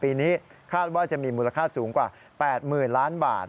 ปีนี้คาดว่าจะมีมูลค่าสูงกว่า๘๐๐๐ล้านบาท